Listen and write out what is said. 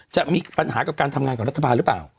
จะมีปัญหากับการทำงานกับรัฐบาลหรือเปล่า